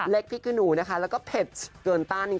เล็กพริกรุ่นูเราก็เป็ดเกินต้านจริงค่ะ